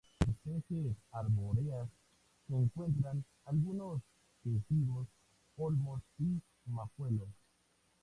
Entre las especies arbóreas se encuentran algunos quejigos, olmos y majuelos.